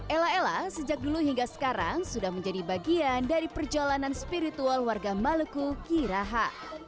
ella ella sejak dulu hingga sekarang sudah menjadi bagian dari perjalanan spiritual warga maluku kiraha